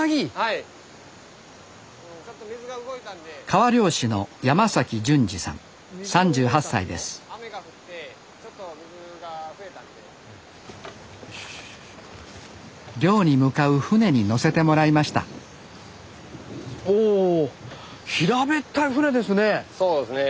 川漁師の漁に向かう船に乗せてもらいましたお平べったい船ですね。